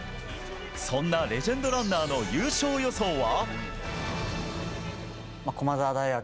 そんなレジェンドランナーの優勝予想は？